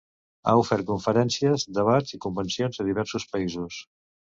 Ha ofert conferències, debats i convencions a diversos països.